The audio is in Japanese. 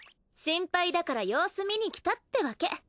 心配だから様子見に来たってわけ。